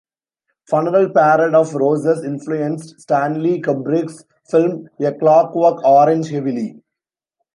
"Funeral Parade of Roses" influenced Stanley Kubrick's film "A Clockwork Orange" heavily.